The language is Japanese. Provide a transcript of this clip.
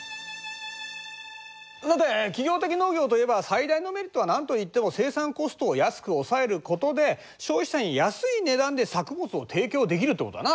さて企業的農業といえば最大のメリットは何といっても生産コストを安く抑えることで消費者に安い値段で作物を提供できるってことだな。